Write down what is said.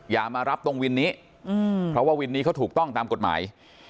อย่ามารับตรงวินนี้เพราะว่าวินนี้เขาถูกต้องตามกฎหมาย